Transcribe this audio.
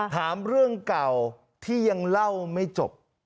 ถามเรื่องเก่าที่ยังเล่าไม่จบ